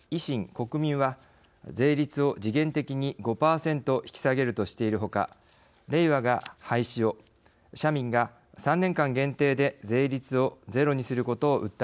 国民は税率を時限的に５％引き下げるとしているほかれいわが廃止を社民が３年間限定で税率をゼロにすることを訴えています。